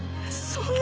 そんな。